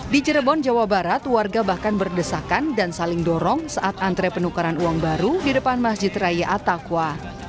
di cirebon jawa barat warga bahkan berdesakan dan saling dorong saat antre penukaran uang baru di depan masjid raya atakwa